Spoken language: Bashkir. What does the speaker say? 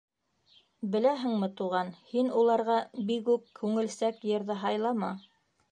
Беләһеңме, Туған, һин уларға бигүк күңелсәк йырҙы һайлама.